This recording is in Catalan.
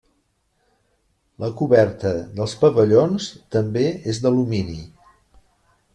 La coberta dels pavellons també és d'alumini.